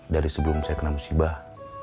dari sebelum saya kena musibah